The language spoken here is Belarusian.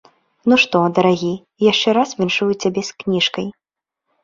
Ну што, дарагі, яшчэ раз віншую цябе з кніжкай.